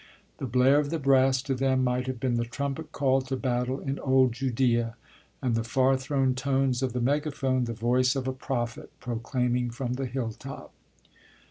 The blare of the brass to them might have been the trumpet call to battle in old Judea, and the far thrown tones of the megaphone the voice of a prophet proclaiming from the hill top.